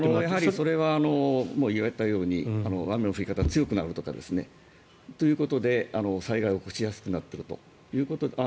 それは言われたように雨の降り方強くなるとかということで災害を起こしやすくなるということ。